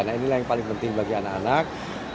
nah inilah yang paling penting bagi anak anak